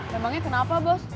memangnya kenapa bos